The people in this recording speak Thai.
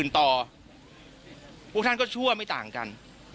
พวกท่านก็ชั่วไม่ต่างกัน